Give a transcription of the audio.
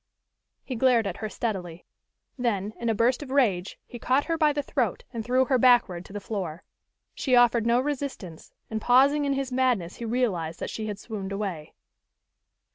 He glared at her steadily. Then, in a burst of rage, he caught her by the throat and threw her backward to the floor. She offered no resistance, and pausing in his madness he realized that she had swooned away.